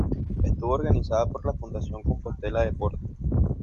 Estuvo organizada por la Fundación Compostela Deporte.